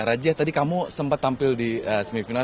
raja tadi kamu sempat tampil di semifinal